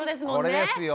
これですよ。